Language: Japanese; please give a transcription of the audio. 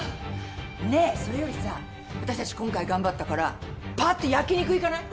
ねえそれよりさ私たち今回頑張ったからぱっと焼き肉行かない？